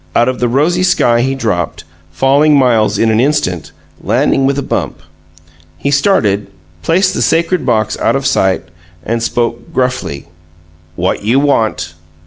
Out of the rosy sky he dropped, falling miles in an instant, landing with a bump. He started, placed the sacred box out of sight, and spoke gruffly. "What you want?"